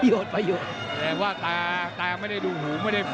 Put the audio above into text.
ยก๒๓๔๕เนี่ย